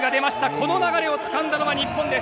この流れをつかんだのは日本。